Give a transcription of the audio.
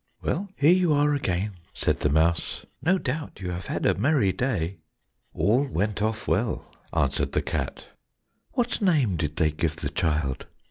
"Well, here you are again," said the mouse, "no doubt you have had a merry day." "All went off well," answered the cat. "What name did they give the child?"